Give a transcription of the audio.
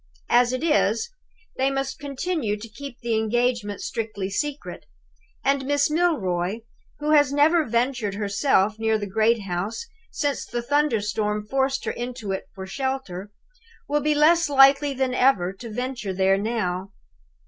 As it is, they must continue to keep the engagement strictly secret; and Miss Milroy, who has never ventured herself near the great house since the thunder storm forced her into it for shelter, will be less likely than ever to venture there now.